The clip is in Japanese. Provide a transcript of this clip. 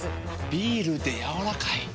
ビールでやわらかい。